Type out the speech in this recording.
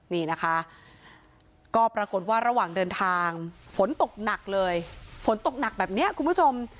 นี่นะคะก็ปรากฏว่าระหว่างเดินทางฝนตกหนักเลยฝนตกหนักแบบนี้คุณผู้ชม